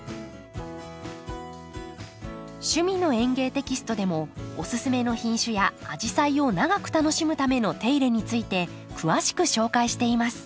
「趣味の園芸」テキストでもオススメの品種やアジサイを長く楽しむための手入れについて詳しく紹介しています。